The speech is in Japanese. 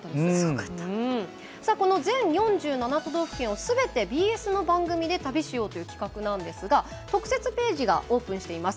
この全４７都道府県をすべてＢＳの番組で旅しようという企画なんですが特設ページがオープンしています。